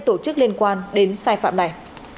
tổ chức liên quan đến sai phạm này